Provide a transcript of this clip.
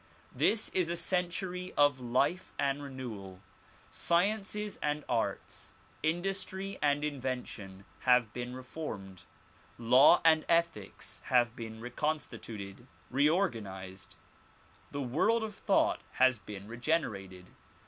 This is a century of life and renewal. Sciences and arts, industry and invention have been reformed. Law and ethics have been reconstituted, reorganized. The world of thought has been regenerated.